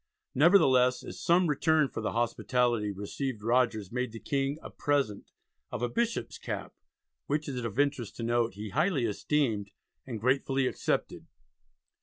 Nevertheless, as some return for the hospitality received Rogers made the King a present of a "Bishop's Cap," which it is of interest to note "he highly esteemed and gratefully accepted."